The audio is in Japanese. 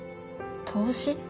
投資？